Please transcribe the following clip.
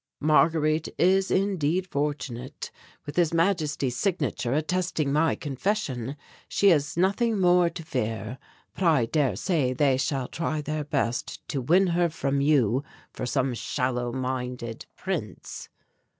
Marguerite is indeed fortunate; with His Majesty's signature attesting my confession, she has nothing more to fear. But I daresay they shall try their best to win her from you for some shallow minded prince."